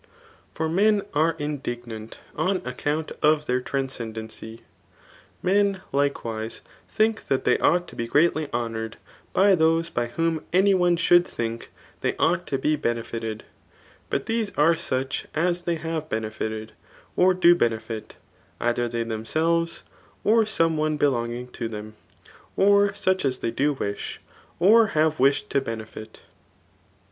lOS For mep s^ m<!^giiant on account of their traiiscem denqr* Meiif likewise^ think that they ought to be ^eatly lionoured by those by whom any one should thii^k they oiight to be benefited; but these are such as they l^a^ve J^enefited» or do benefit^ either they themselves^ or soiiie one belonging to them, or such as they do wish^ or h%ve wished to benefit.